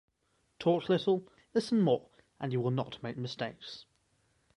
Talk little, listen more and you will not make mistakes.